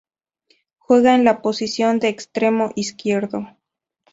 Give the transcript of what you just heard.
Juega en la posición de extremo izquierdo.